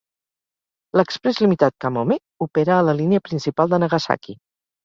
L'exprés limitat "Kamome" opera a la línia principal de Nagasaki.